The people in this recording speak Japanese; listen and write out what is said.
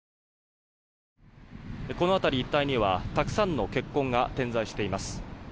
この辺り一帯にはたくさんの血痕が点在しています。